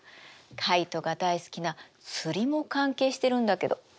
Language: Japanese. カイトが大好きな釣りも関係してるんだけど。